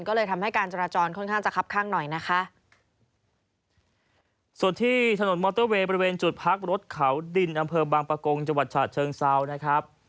ก็เลยทำให้การจราจรค่อนข้างจะคับข้างหน่อยนะคะส่วนที่ถนนมอเตอร์เวย์บริเวณจุดพักรถเขาดินอำเภอบางประกงจังหวัดฉะเชิงเซานะครับ